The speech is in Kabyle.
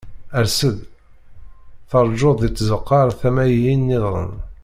Ers-d, terǧuḍ di tzeqqa ar tama-ihin-nniḍen.